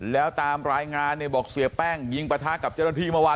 แล้วตามรายงานเนี่ยบอกเสียแป้งยิงประทะกับเจ้าหน้าที่เมื่อวาน